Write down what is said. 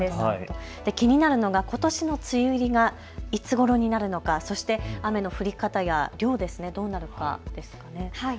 気になるのがことしの梅雨入りがいつごろになるのか、そして雨の降り方や量ですとかどうなのかですよね。